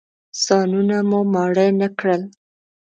ځانونه مو ماړه نه کړل.